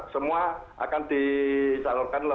semua akan disalurkan